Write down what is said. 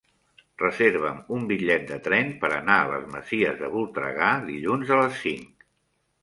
Reserva'm un bitllet de tren per anar a les Masies de Voltregà dilluns a les cinc.